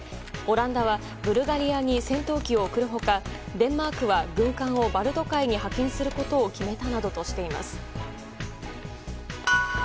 オランダはブルガリアに戦闘機を送る他デンマークは軍艦をバルト海に派遣することを決めたなどとしています。